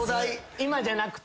今じゃなくて？